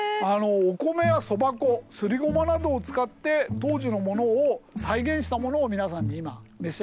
お米やそば粉すりごまなどを使って当時のものを再現したものを皆さんに今召し上がって頂いてます。